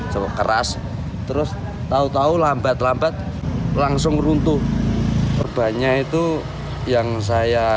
coba keras terus tahu tahu lambat lambat langsung runtuh perbannya itu yang saya